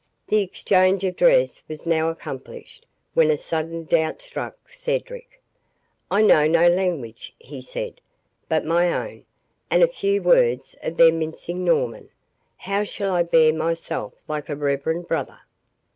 The exchange of dress was now accomplished, when a sudden doubt struck Cedric. "I know no language," he said, "but my own, and a few words of their mincing Norman. How shall I bear myself like a reverend brother?"